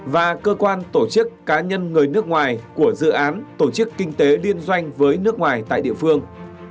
và cơ quan tổ chức cá nhân người nước ngoài của dự án tổ chức kinh tế liên doanh với nước ngoài tại địa phương